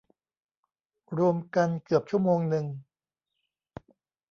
รวมกันเกือบชั่วโมงนึง